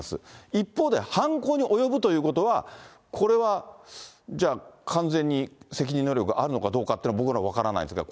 一方で、犯行に及ぶということは、これはじゃあ、完全に責任能力があるのかどうかっていうのは、僕ら分からないですけど。